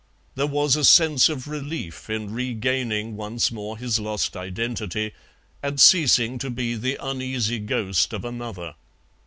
There was a sense of relief in regaining once more his lost identity and ceasing to be the uneasy ghost of another.